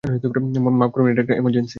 মাফ করবেন, এটা একটা এমারজেন্সি।